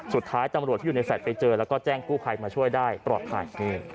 สุดท้ายตำรวจที่อยู่ในแฟลตไปเจอแล้วก็แจ้งกู้ภัยมาช่วยได้ปลอดภัย